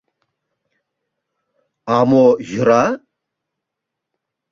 А мо йӧра?